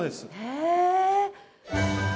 へえ。